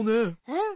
うん。